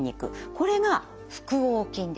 これが腹横筋です。